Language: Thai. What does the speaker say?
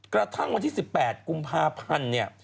กระทั่งวันที่๑๘กุมภาพันธุ์